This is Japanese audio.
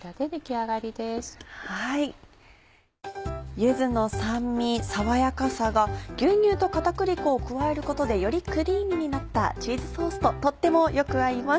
柚子の酸味爽やかさが牛乳と片栗粉を加えることでよりクリーミーになったチーズソースととってもよく合います。